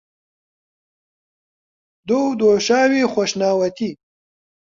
دۆ و دۆشاوی خۆشناوەتی